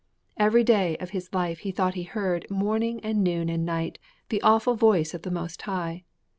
Every day of his life he thought he heard, morning and noon and night, the awful Voice of the Most High.